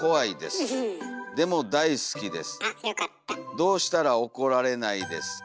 「どうしたらおこられないですか？」。